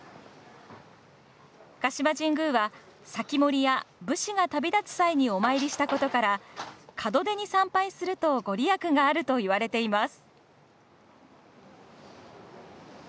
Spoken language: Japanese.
鹿島神宮は、さきもりや武士が旅立つ際にお参りしたことから門出に参拝すると御利益があるといわれています。